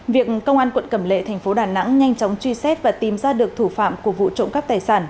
việc công an quận cẩm lệ thành phố đà nẵng nhanh chóng truy xét và tìm ra được thủ phạm của vụ trộm cắp tài sản